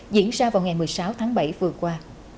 diễn ra vào ngày một mươi sáu tháng bảy vừa qua